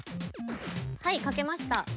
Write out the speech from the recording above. はい描けました！